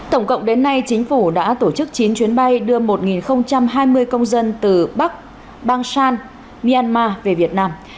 tổng cộng đến nay chính phủ đã tổ chức chín chuyến bay đưa một hai mươi công dân từ bắc bangsan myanmar về việt nam